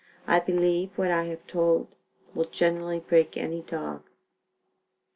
I believe what I have told will generally break any dog.